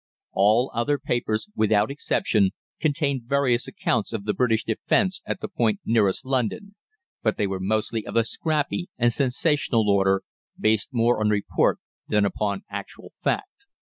All other papers, without exception, contained various accounts of the British defence at the point nearest London, but they were mostly of the scrappy and sensational order, based more on report than upon actual fact.